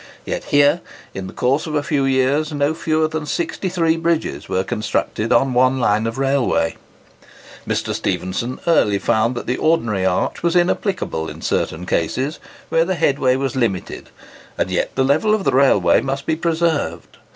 Yet here, in the course of a few years, no fewer than 63 bridges were constructed on one line of railway! Mr. Stephenson early found that the ordinary arch was inapplicable in certain cases, where the headway was limited, and yet the level of the railway must be preserved.